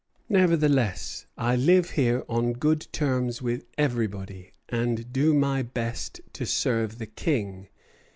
Nevertheless I live here on good terms with everybody, and do my best to serve the King.